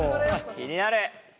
気になる！